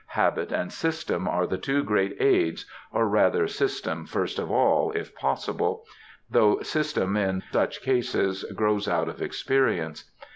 Habit and system are the two great aids,—or rather system first of all, if possible; though system in such cases grows out of experience.